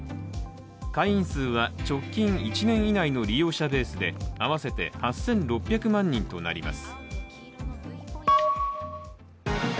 会員数は直近１年以内の利用者ベースで合わせて８６００万人となります。